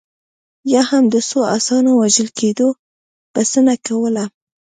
یا هم د څو اسونو وژل کېدو بسنه کوله.